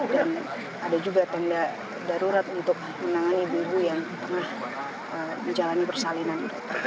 dan ada juga tenda darurat untuk menangani ibu ibu yang tengah menjalani persalinan